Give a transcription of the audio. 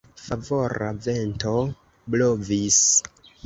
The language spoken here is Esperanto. Favora vento blovis.